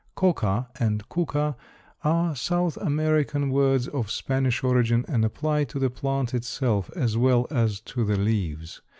Coca and cuca are South American words of Spanish origin and apply to the plant itself as well as to the leaves.